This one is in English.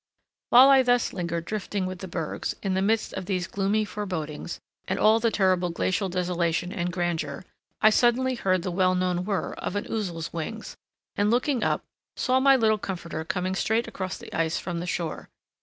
While I thus lingered drifting with the bergs, in the midst of these gloomy forebodings and all the terrible glacial desolation and grandeur, I suddenly heard the well known whir of an Ouzel's wings, and, looking up, saw my little comforter coming straight across the ice from the shore.